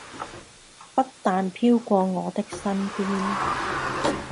不但飄過我的身邊